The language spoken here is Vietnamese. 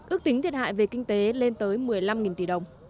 ước tính thiệt hại về kinh tế lên tới một mươi năm tỷ đồng